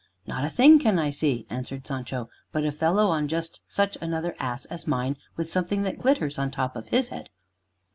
"Not a thing can I see," answered Sancho, "but a fellow on just such another ass as mine, with something that glitters on top of his head."